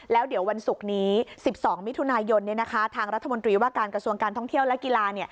แล้วเดี๋ยววันศุกร์นี้๑๒มิถุนายนทางรัฐมนตรีว่าการกระทรวงการท่องเที่ยวและกีฬา